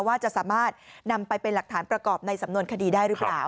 ว่าจะสามารถนำไปเป็นหลักฐานประกอบในสำนวนคดีได้หรือเปล่า